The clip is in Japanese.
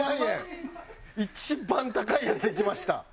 一番高いやついきました。